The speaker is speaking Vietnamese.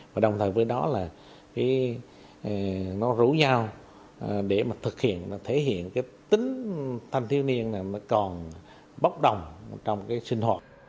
và đồng thời với đó là nó rủ nhau để thực hiện thể hiện tính thanh tiêu niên này còn bốc đồng trong sinh hội